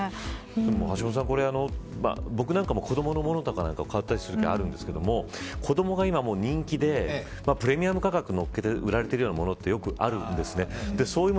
橋下さん、僕なんかも子どものものとか買ったりするですけど子どもが今、人気でプレミアム価格のっけて売られてるようなものってよくあるんです。